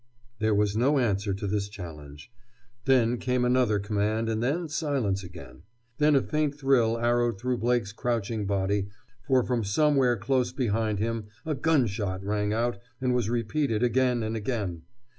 There was no answer to this challenge. Then came another command and then silence again. Then a faint thrill arrowed through Blake's crouching body, for from somewhere close behind him a gun shot rang out and was repeated again and again.